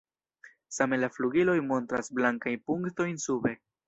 Same la flugiloj montras blankajn punktojn sube.